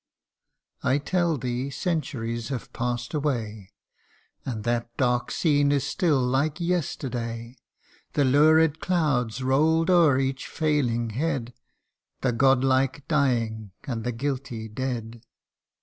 " I tell thee centuries have pass'd away, And that dark scene is still like yesterday ; The lurid clouds roll'd o'er each failing head, The Godlike dying, and the guilty dead : CANTO I.